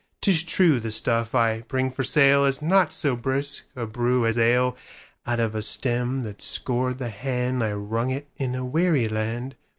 'Tis true, the stuff I bring for saleIs not so brisk a brew as ale:Out of a stem that scored the handI wrung it in a weary land.